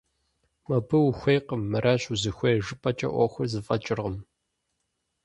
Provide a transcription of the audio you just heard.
Мобы ухуейкъым, мыращ узыхуейр жыпӏэкӏэ ӏуэхур зэфӏэкӏыркъым.